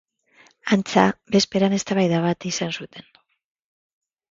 Antza, bezperan eztabaida bat izan zuten.